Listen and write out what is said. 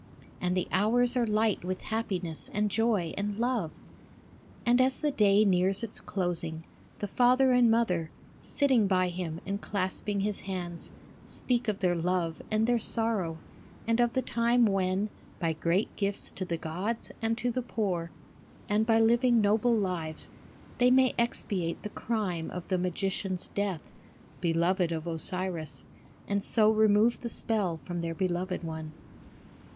And the hours are light with happiness and joy and love. And as the day nears its closing, the father and mother, sitting by him and clasping his hands, speak of their love and their sorrow, and of the time when by great gifts to the gods and to the poor, and by living noble lives, they may expiate the crime of the magician's death (beloved of Osiris) and so remove the spell from their beloved one.